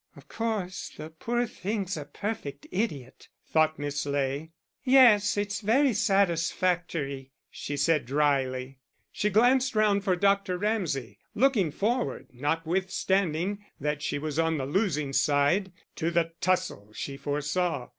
"Of course the poor thing's a perfect idiot," thought Miss Ley. "Yes, it's very satisfactory," she said, drily. She glanced round for Dr. Ramsay, looking forward, notwithstanding that she was on the losing side, to the tussle she foresaw.